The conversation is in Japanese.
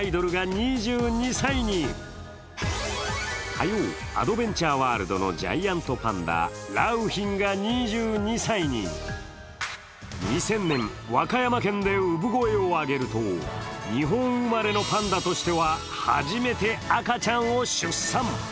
火曜、アドベンチャーワールドのジャイアントパンダ、良浜が２２歳に２０００年和歌山県で産声を上げると、日本生まれのパンダとしては初めて赤ちゃんを出産。